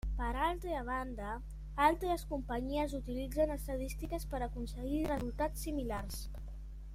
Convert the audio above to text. Per altra banda altres companyies utilitzen estadístiques per aconseguir resultats similars.